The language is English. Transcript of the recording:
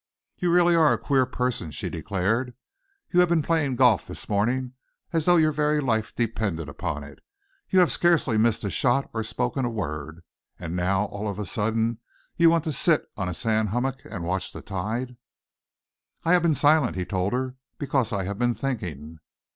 "You really are a queer person," she declared. "You have been playing golf this morning as though your very life depended upon it. You have scarcely missed a shot or spoken a word. And now, all of a sudden, you want to sit on a sand hummock and watch the tide." "I have been silent," he told her, "because I have been thinking."